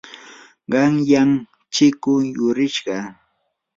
qanyan chikuu yurishqa.